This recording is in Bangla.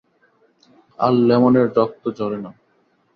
আর লেমনের রক্ত ঝরে না।